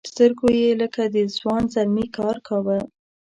سترګو یې لکه د ځوان زلمي کار کاوه.